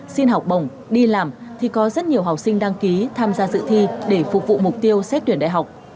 xin học bổng đi làm thì có rất nhiều học sinh đăng ký tham gia dự thi để phục vụ mục tiêu xét tuyển đại học